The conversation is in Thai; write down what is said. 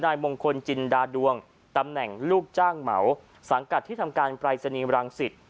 นายมงคลจินดาดวงตำแหน่งลูกจ้างเหมาสังกัดที่ทำการปรายศนีย์บรังสิต